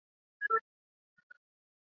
宋朝鄂州诸军都统制孟珙回来援救。